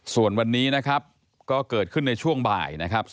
ส่วนวันนี้นะครับก็เกิดขึ้นในช่วงบ่ายนะครับ